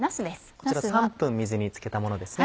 こちら３分水につけたものですね。